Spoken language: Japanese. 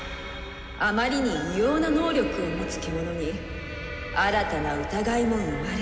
あまりに異様な能力を持つ獣に新たな疑いも生まれてくる。